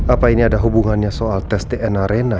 apa ini ada hubungannya soal tes dna rena